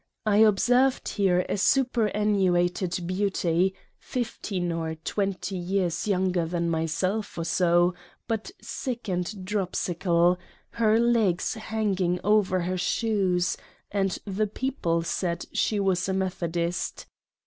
I observed here a Superannuated Beauty, 15 or 20 years younger than myself or so ; but sick and dropsical ; her legs hanging over her shoes and the People *" Bessy" was Mrs. Piozzi's maid.